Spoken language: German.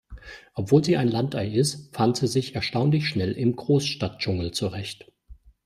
Obwohl sie ein Landei ist, fand sie sich erstaunlich schnell im Großstadtdschungel zurecht.